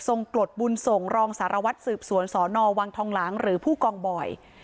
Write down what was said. กรดบุญส่งรองสารวัตรสืบสวนสนวังทองหลังหรือผู้กองบอย